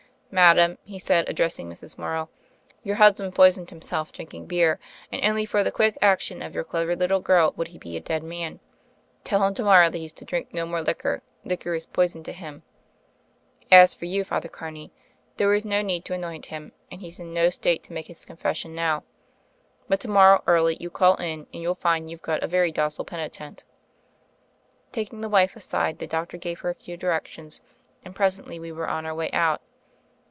Madam," he said, addressing Mrs. Morrow, "your husband poisoned himself drinking beer, and only for the quick action of your clever little girl would be a dead man. Tell him to morrow that he's to drink no more liquor; liquor is poison to him. As for you. Father Carney, there is no need to anoint him, and he's in no state to make his confession now. But to morrow early you call in, and you'll find you've got a very docile penitent." Taking the wife aside, the doctor gave her a few directions, and presently we were on our way out.